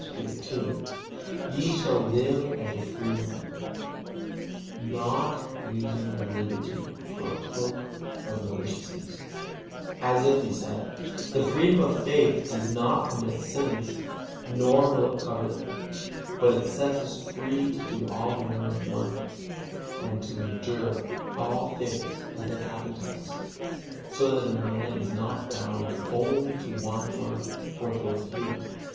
Peter ii, "Ye shall live as free men, but not using your liberty for a cloak of maliciousness," as if he said: The freedom of faith does not permit sins, nor will it cover them, but it sets us free to do all manner of good works and to endure all things as they happen to us, so that a man is not bound only to one work or to a few.